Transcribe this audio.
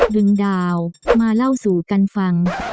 ดาวมาเล่าสู่กันฟัง